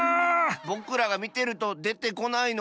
ぼくらがみてるとでてこないのかなあ。